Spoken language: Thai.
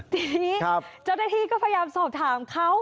ทีจบได้ทีก็พยายามสอบถามเขา